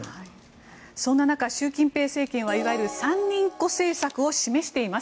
そんな中、習近平政権はいわゆる三人っ子政策を示しています。